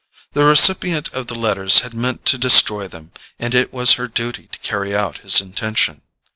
The recipient of the letters had meant to destroy them, and it was her duty to carry out his intention.